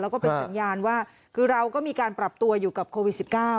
แล้วก็เป็นสัญญาณว่าคือเราก็มีการปรับตัวอยู่กับโควิด๑๙